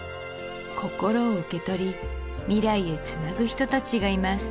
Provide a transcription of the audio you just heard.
心を受け取り未来へつなぐ人達がいます